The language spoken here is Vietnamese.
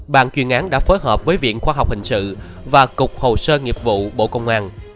bàn chuyên án đã phối hợp với viện khoa học hình sự và cục hồ sơ nghiệp vụ bộ công an